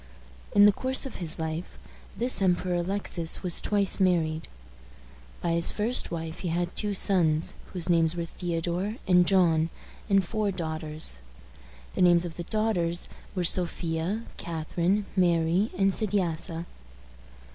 In the course of his life, this Emperor Alexis was twice married. By his first wife he had two sons, whose names were Theodore and John, and four daughters. The names of the daughters were Sophia, Catharine, Mary, and Sediassa.